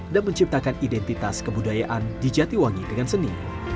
dan menciptakan identitas kebudayaan di jatibangi dengan seni